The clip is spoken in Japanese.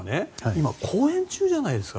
今、公演中じゃないですか。